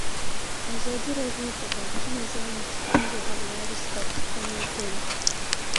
ازادي راډیو د بانکي نظام د ستونزو حل لارې سپارښتنې کړي.